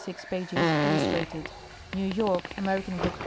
.S36, illustrated. New York : American Book Co.